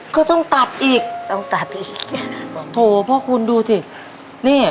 ก็ต้องตัดอีกต้องตัดอีกโถเพราะคุณดูสินี่